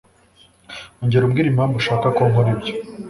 Ongera umbwire impamvu ushaka ko nkora ibyo